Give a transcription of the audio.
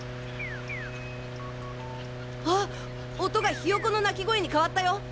音がヒヨコの鳴き声に変わったよ！